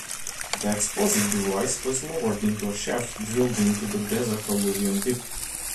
The explosive device was lowered into a shaft drilled into the desert alluvium deep.